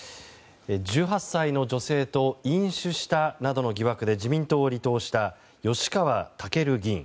１８歳の女性と飲酒したなどの疑惑で自民党を離党した吉川赳議員。